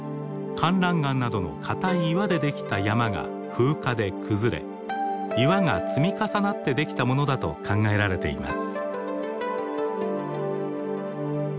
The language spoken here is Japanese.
かんらん岩などの硬い岩でできた山が風化で崩れ岩が積み重なってできたものだと考えられています。